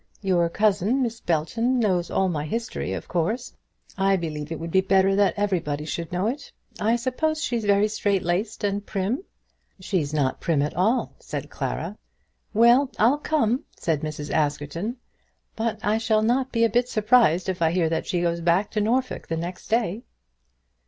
Your cousin, Miss Belton, knows all my history, of course. But what matters? I believe it would be better that everybody should know it. I suppose she's very straight laced and prim." "She is not prim at all," said Clara. "Well, I'll come," said Mrs. Askerton, "but I shall not be a bit surprised if I hear that she goes back to Norfolk the next day."